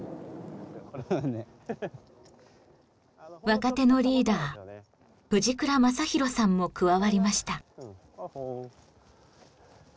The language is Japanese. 若手のリーダー藤倉正裕さんも加わりました。